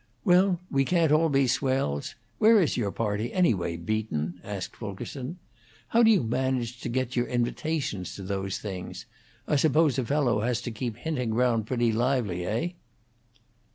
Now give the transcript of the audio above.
"Well, we can't all be swells. Where is your party, anyway, Beaton?" asked Fulkerson. "How do you manage to get your invitations to those things? I suppose a fellow has to keep hinting round pretty lively, Neigh?"